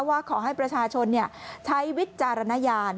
ว่าขอให้ประชาชนใช้วิจารณญาณ